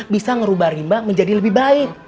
bisa merubah rimba menjadi lebih baik